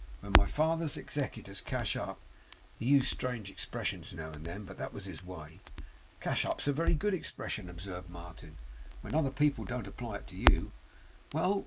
When my father's executors cash up" he used strange expressions now and then, but that was his way.' 'Cash up's a very good expression,' observed Martin, 'when other people don't apply it to you. Well!